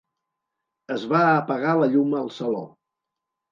Es va apagar la llum al saló.